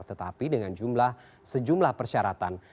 tetapi dengan sejumlah persyaratan